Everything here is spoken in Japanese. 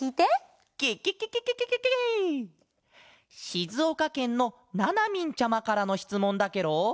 しずおかけんのななみんちゃまからのしつもんだケロ！